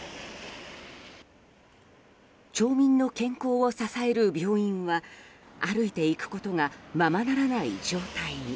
町民の健康を支える病院は歩いて行くことがままならない状態に。